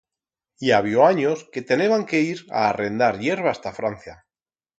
I habió anyos que teneban que ir a arrendar hierbas ta Francia.